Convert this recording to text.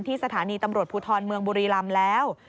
สถานีตำรวจภูทรเมืองบุรีรำแล้ว